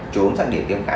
trốn sẵn điểm tiêm khả